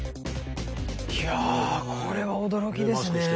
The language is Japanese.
いやこれは驚きですね。